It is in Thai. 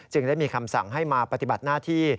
ได้มีคำสั่งให้มาปฏิบัติหน้าที่